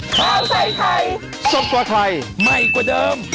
คุณแฟนคุณแฟน